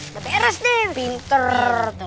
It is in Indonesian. udah beres deh pinter